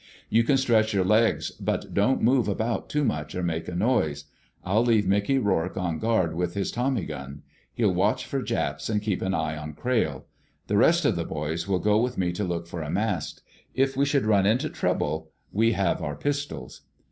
You can stretch your legs, but don't move about too much or make a noise. I'll leave Mickey Rourke on guard with his tommy gun. He'll watch for Japs and keep an eye on Crayle. The rest of the boys will go with me to look for a mast. If we should run into trouble we have our pistols."